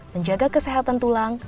menjaga kesehatan tulang